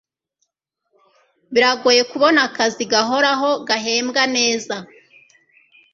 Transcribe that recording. Biragoye kubona akazi gahoraho gahembwa neza.